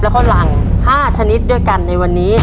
แล้วก็รัง๕ชนิดด้วยกันในวันนี้